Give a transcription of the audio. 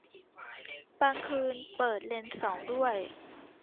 บางคืนเปิดเลนสองด้วย